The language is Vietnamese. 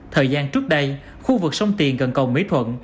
thời gian trước đây khu vực sông tiền gần cầu mỹ thuận